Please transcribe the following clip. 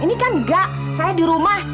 ini kan enggak saya di rumah